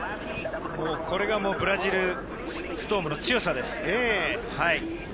もうこれがブラジル、ストームの強さです。